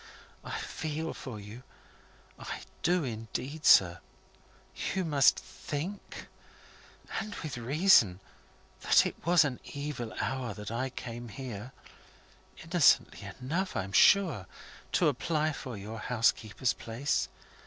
I feel for you I do indeed, sir! You must think and with reason that it was in an evil hour that I came here (innocently enough, I'm sure), to apply for your housekeeper's place.